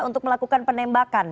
untuk melakukan penembakan